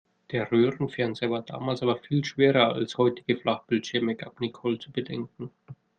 "Der Röhrenfernseher war damals aber viel schwerer als heutige Flachbildschirme", gab Nicole zu bedenken.